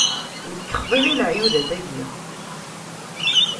Nekk xḍiɣ i leɛyudat-agi.